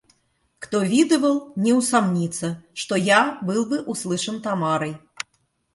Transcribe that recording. Кто видывал, не усомнится, что я был бы услышан Тамарой.